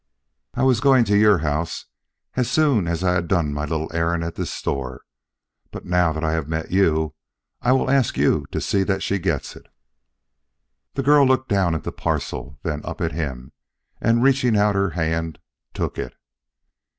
I was going to your house as soon as I had done my little errand at this store, but now that I have met you, I will ask you to see that she gets it." The girl looked down at the parcel, then up at him, and reaching out her hand, took it.